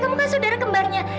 kamu kan saudara kembarnya